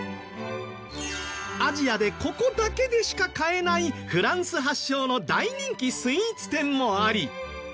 アジアでここだけでしか買えないフランス発祥の大人気スイーツ店もあり。